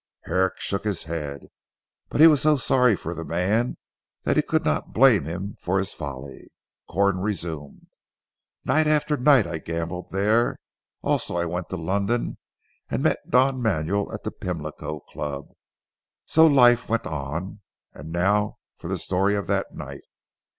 Herrick shook his head. But he was so sorry for the man that he could not blame him for his folly. Corn resumed. "Night after night I gambled there. Also I went to London, and met Don Manuel at the Pimlico club. So, the life went on. And now for the story of that night."